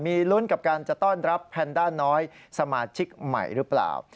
มีลุ้นกับการจะต้อนรับแพนด้าน้อยสมาชิกใหม่หรือเปล่า